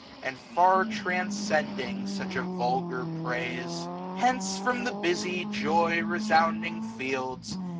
And far transcending such a vulgar praise. Hence from the busy joy resounding fields.